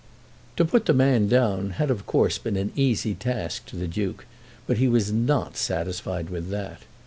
To put the man down had of course been an easy task to the Duke, but he was not satisfied with that.